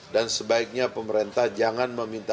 dan sebaiknya pemerintah jangan meminta